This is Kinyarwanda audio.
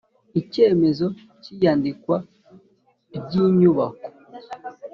Icyemezo cy iyandikwa ry inyubako